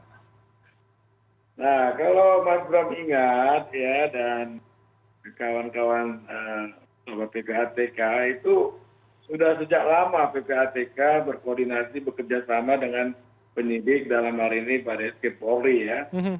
nah kalau mas bram ingat ya dan kawan kawan ppatk itu sudah sejak lama ppatk berkoordinasi bekerjasama dengan penyidik dalam hari ini baris krim polri ya